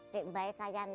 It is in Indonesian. baik baik ya nek